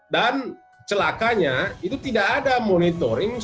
dan celakanya itu tidak ada monitoring soal